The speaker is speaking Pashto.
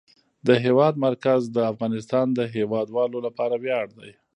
د هېواد مرکز د افغانستان د هیوادوالو لپاره ویاړ دی.